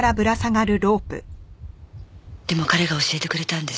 でも彼が教えてくれたんです。